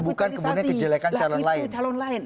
bukan kejelekan calon lain